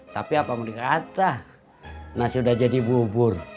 tapi apa mau dikata nasi udah jadi bubur